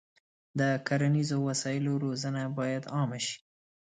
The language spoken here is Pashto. د کرنیزو وسایلو روزنه باید عامه شي.